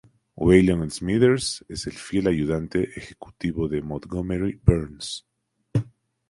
Waylon Smithers es el fiel ayudante ejecutivo de Montgomery Burns.